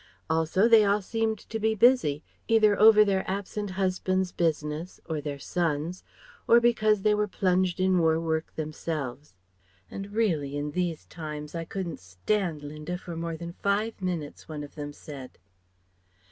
Also, they all seemed to be busy, either over their absent husbands' business, or their sons', or because they were plunged in war work themselves. "And really, in these times, I couldn't stand Linda for more than five minutes," one of them said.